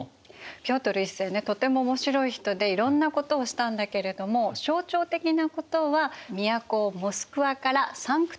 ピョートル１世ねとても面白い人でいろんなことをしたんだけれども象徴的なことは都をモスクワからサンクトペテルブルクにうつしたことね。